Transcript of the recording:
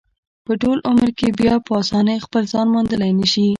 په ټول عمر کې بیا په اسانۍ خپل ځان موندلی نشي.